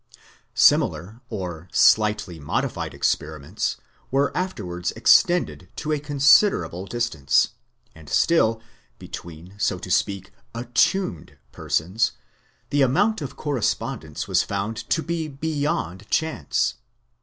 Similar or slightly modified experiments were afterwards extended to a considerable distance ; and still, between so to speak "attuned" persons, the amount of correspondence was found to be beyond chance.